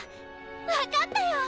分かったよ！